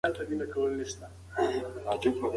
آیا په ستوني کې درد او وچ ټوخی د کرونا نښې دي؟